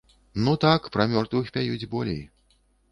Ну так, пра мёртвых пяюць болей.